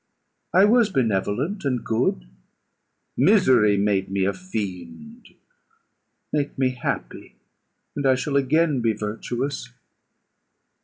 I was benevolent and good; misery made me a fiend. Make me happy, and I shall again be virtuous."